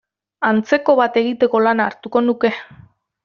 Antzeko bat egiteko lana hartuko nuke.